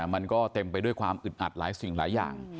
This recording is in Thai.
มันก็เต็มไปด้วยความอึดอัดหลายสิ่งหลายอย่าง